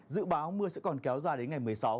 dự báo mưa sẽ còn kéo dài đến ngày một mươi sáu